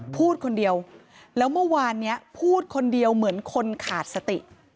พูดคนเดียวแล้วเมื่อวานนี้พูดคนเดียวเหมือนคนขาดสติ